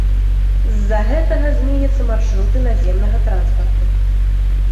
З-за гэтага зменяцца маршруты наземнага транспарту.